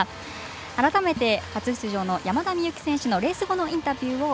改めて初出場の山田美幸選手のレース後のインタビューです。